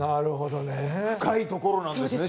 深いところなんですね。